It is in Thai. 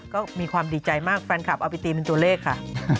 ก็มีความดีใจมากแฟนคลับเอาไปตีเป็นตัวเลขค่ะ